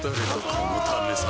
このためさ